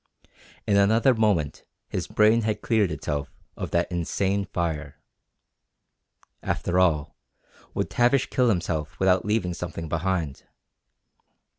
In another moment his brain had cleared itself of that insane fire. After all, would Tavish kill himself without leaving something behind?